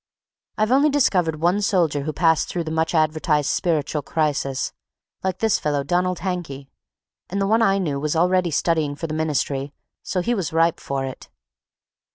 I've only discovered one soldier who passed through the much advertised spiritual crisis, like this fellow, Donald Hankey, and the one I knew was already studying for the ministry, so he was ripe for it.